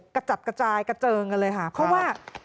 กระจัดกระจายกระเจิงกันเลยค่ะเพราะว่า